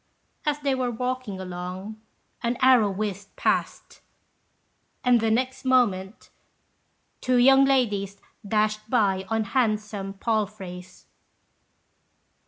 As they were walking along, an arrow whizzed past, and the next moment two young ladies dashed by on handsome palfreys.